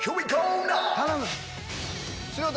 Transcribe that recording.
頼む。